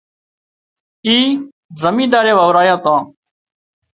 اِي زمينۮارئي وورايان تان